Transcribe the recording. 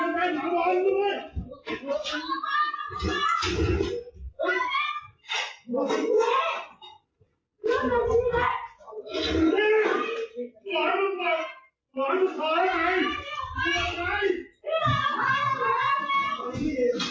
บ่นปรากฏที่เกิดไปกันได้ไหม